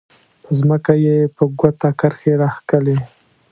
په ځمکه یې په ګوته کرښې راښکلې.